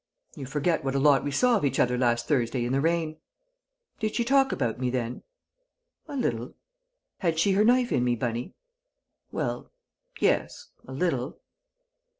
"You forget what a lot we saw of each other last Thursday in the rain." "Did she talk about me then?" "A little." "Had she her knife in me, Bunny?" "Well yes a little!"